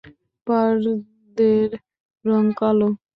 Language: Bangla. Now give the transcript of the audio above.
পারদের রং কালো?